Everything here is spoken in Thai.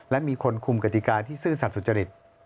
และมีคนคุมกติกาที่ซื่อสัตว์สุจริต